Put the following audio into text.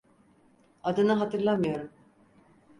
Adını hatırlamıyorum.